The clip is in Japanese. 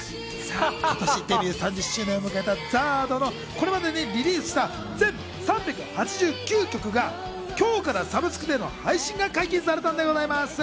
今年デビュー３０周年を迎えたＺＡＲＤのこれまでにリリースした全３８９曲が今日からサブスクでの配信が解禁されたんでございます。